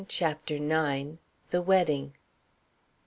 CHAPTER IX. THE WEDDING.